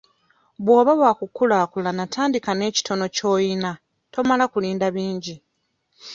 Bw'oba wakukulaakulana tandika n'ekitono ky'oyina tomala kulinda bingi.